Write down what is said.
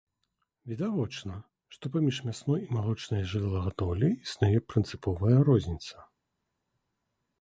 Відавочна, што паміж мясной і малочнай жывёлагадоўляй існуе прынцыповая розніца.